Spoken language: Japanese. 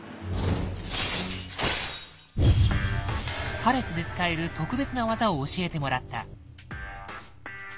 パレスで使える特別な技を教えてもらった。